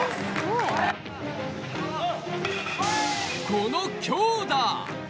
この強打！